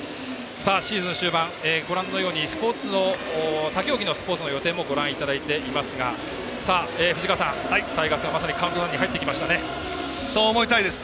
シーズン終盤他競技のスポーツの予定もご覧いただいていますが藤川さん、タイガースがまさにカウントダウンにそう思いたいです。